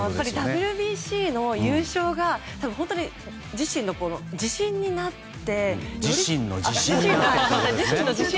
ＷＢＣの優勝が本当に自身の自信になって。